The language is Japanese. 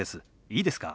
いいですか？